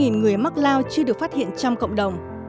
khoảng ba mươi người mắc lao chưa được phát hiện trong cộng đồng